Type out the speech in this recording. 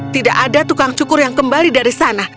tidak ada tukang cukur yang kembali dari sana